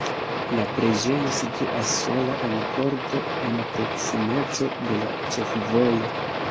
La preĝejo situas sola en korto en proksimeco de la ĉefvojo.